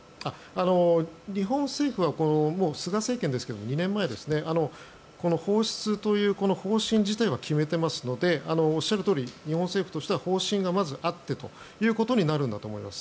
日本政府は菅政権ですが２年前、放出という方針自体は決めていますのでおっしゃるとおり日本政府としては方針がまずあってということになるんだと思います。